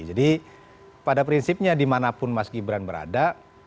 jadi pada prinsipnya dimanapun mas gibran berada